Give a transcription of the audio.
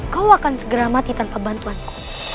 kau akan segera mati tanpa bantuanku